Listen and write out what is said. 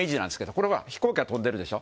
これは飛行機が飛んでるでしょ。